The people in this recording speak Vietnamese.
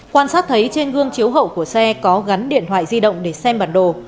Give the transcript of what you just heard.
quan sát thấy trên gương chiếu hậu của xe có gắn điện thoại di động để xem bản đồ